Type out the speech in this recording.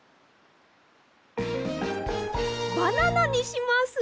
バナナにします！